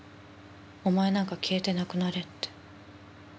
「お前なんか消えてなくなれ」って。